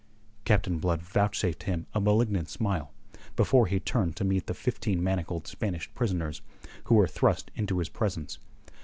Captain Blood vouchsafed him a malignant smile, before he turned to meet the fifteen manacled Spanish prisoners, who were thrust into his presence.